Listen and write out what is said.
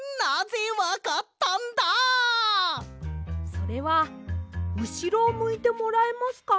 それはうしろをむいてもらえますか？